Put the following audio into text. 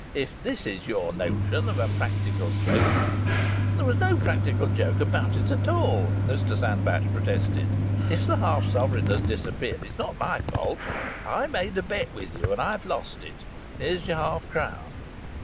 "If this is your notion of a practical joke." "There was no practical joke about it at all," Mr Sandbach protested. "If the half sovereign has disappeared it's not my fault. I made a bet with you, and I've lost it. Here's your half crown."